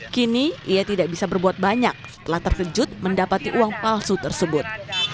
kini ia tidak bisa berbuat banyak setelah terkejut mendapati uang palsu tersebut